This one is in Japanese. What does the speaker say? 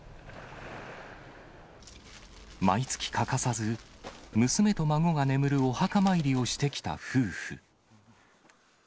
毎月欠かさず、娘と孫が眠るお墓参りをしてきた夫婦。